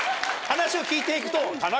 話を聞いて行くと。